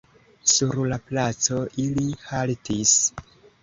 Sur la placo ili haltis.